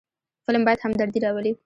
فلم باید همدردي راولي